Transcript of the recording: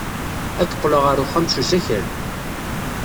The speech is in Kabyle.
Ad d-qqleɣ ɣer uxxam s usakal.